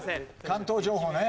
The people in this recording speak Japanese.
関東情報ね。